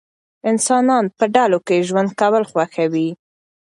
انسانان په ډلو کې ژوند کول خوښوي.